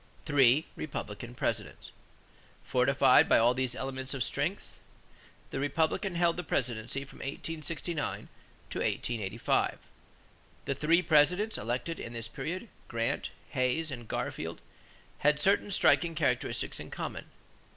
=Three Republican Presidents.= Fortified by all these elements of strength, the Republicans held the presidency from 1869 to 1885. The three Presidents elected in this period, Grant, Hayes, and Garfield, had certain striking characteristics in common.